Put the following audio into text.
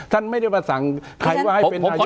ท่านไม่ได้มาสั่งใครว่าให้เป็นนายก